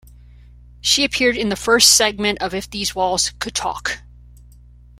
She appeared in the first segment of "If These Walls Could Talk".